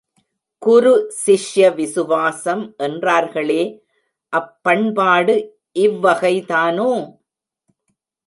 குருசிஷ்ய விசுவாசம் என்றார்களே, அப்பண்பாடு, இவ்வகைதானோ?...